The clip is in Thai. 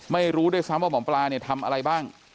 ไม่รู้ด้วยซ้ำว่าหมอปลาเนี่ยทำอะไรบ้าง